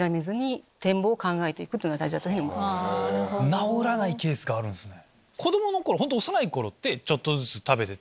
治らないケースがあるんすね。